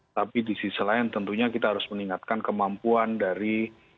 tapi di sisi lain tentunya kita harus meningkatkan kemampuan dari